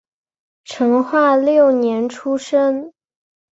成化六年出生。